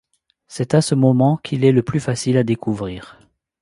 C'est à ce moment qu'il est le plus facile à découvrir.